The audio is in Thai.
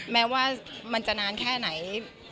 แม้ว่ามันจะนานแค่ไหน